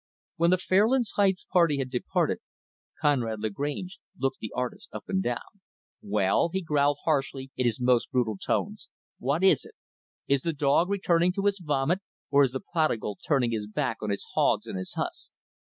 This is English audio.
When the Fairlands Heights party had departed, Conrad Lagrange looked the artist up and down. "Well," he growled harshly, in his most brutal tones, "what is it? Is the dog returning to his vomit? or is the prodigal turning his back on his hogs and his husks?"